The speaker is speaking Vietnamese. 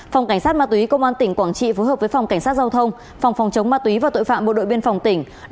phòng cảnh sát ma túy công an tỉnh quảng trị phối hợp với phòng cảnh sát giao thông phòng phòng chống ma túy và tội phạm bộ đội biên phòng tỉnh